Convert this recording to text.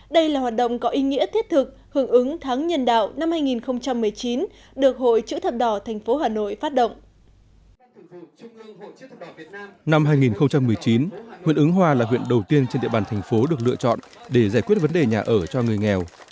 đây là hoạt động có ý nghĩa thiết thực hưởng ứng tháng nhân đạo năm hai nghìn một mươi chín được hội chữ thập đỏ tp hà nội phát động